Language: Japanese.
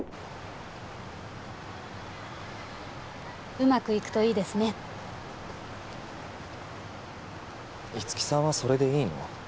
うまくいくといいですね五木さんはそれでいいの？